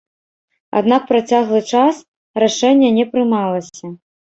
Аднак працяглы час рашэнне не прымалася.